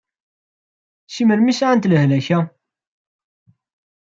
Seg melmi i sɛant lehlak-a?